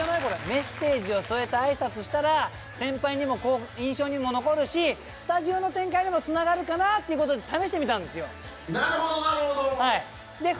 メッセージを添えて挨拶したら先輩にも印象にも残るしスタジオの展開にもつながるかなっていうことで試してみたんですよ。